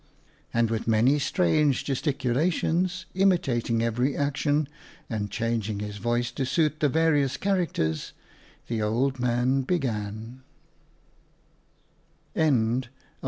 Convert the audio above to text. And with many strange gesticulations, imitating every action and changing his voice to suit the various characters, the old man began : II.